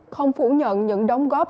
không phủ nhận những đóng góp